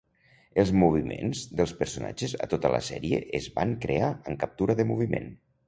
Els moviments dels personatges a tota la sèrie es van crear amb captura de moviment.